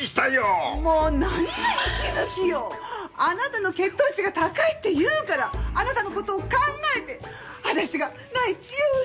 あなたの血糖値が高いっていうからあなたの事を考えて私がない知恵を絞って。